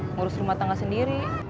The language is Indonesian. ngurus rumah tangga sendiri